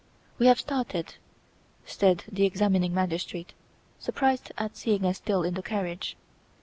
"We have started!" said the examining magistrate, surprised at seeing us still in the carriage.